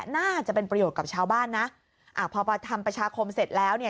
น่าจะเป็นประโยชน์กับชาวบ้านนะอ่าพอทำประชาคมเสร็จแล้วเนี่ย